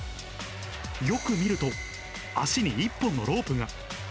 よく見ると、足に１本のロープが。